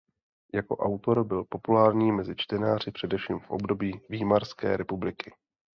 Jako autor byl populární mezi čtenáři především v období Výmarské republiky.